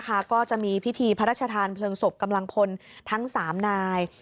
ก็จะมีพิธีพระราชทานเพลิงศพกำลังพลทั้ง๓นาย